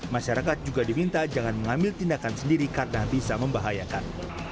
masyarakat juga diminta jangan mengambil tindakan sendiri karena bisa membahayakan